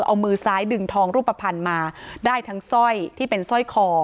เอามือซ้ายดึงทองรูปภัณฑ์มาได้ทั้งสร้อยที่เป็นสร้อยคอ